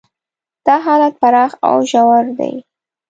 دا حالات پراخ او ژور دي.